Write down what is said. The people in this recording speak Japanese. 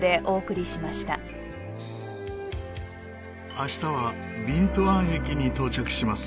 明日はビントゥアン駅に到着します。